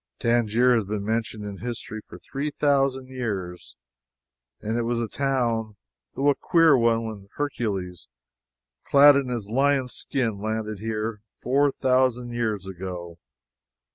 Tangier has been mentioned in history for three thousand years. And it was a town, though a queer one, when Hercules, clad in his lion skin, landed here, four thousand years ago.